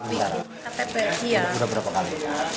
bikin ktp siang